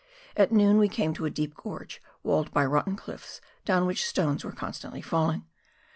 At noon we came to a deep gorge walled by rotten cliffs, down which stones were constantly falling.